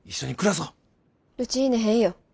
うち去ねへんよ。